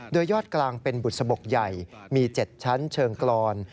โดยยอดกลางเป็นบุษบกใหญ่มี๗ชั้นเชิงกรอน